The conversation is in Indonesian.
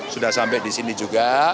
sudah sampai di sini juga